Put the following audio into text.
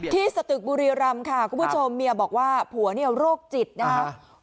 สตึกบุรีรำค่ะคุณผู้ชมเมียบอกว่าผัวเนี่ยโรคจิตนะครับ